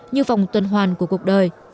như vòng tuần hoàn của cuộc đời